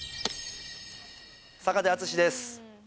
坂手淳史です。